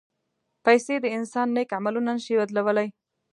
پېسې د انسان نیک عملونه نه شي بدلولی.